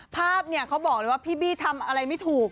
ภาพเนี่ยเขาบอกเลยว่าพี่บี้ทำอะไรไม่ถูก